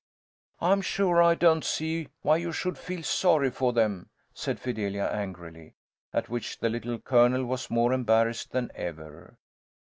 "I'm sure I don't see why you should feel sorry for them," said Fidelia, angrily. At which the Little Colonel was more embarrassed than ever.